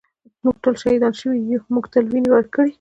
ًٍمونږ تل شهیدان شوي یُو مونږ تل وینې ورکــــړي